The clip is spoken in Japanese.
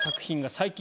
最近？